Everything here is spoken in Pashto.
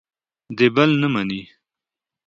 د بل نه مني.